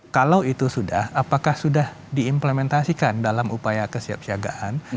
kalau itu sudah apakah sudah diimplementasikan dalam upaya kesiapsiagaan